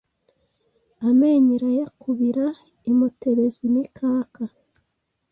Amenyo irayakubira imutebeza imikaka